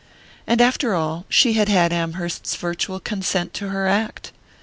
And, after all, she had had Amherst's virtual consent to her act!